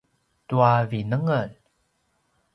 tua vinengel